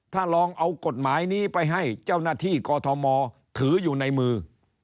ถ้าลองเอากฎหมายนี้ไปให้เจ้าหน้าที่กอทมถืออยู่ในมือ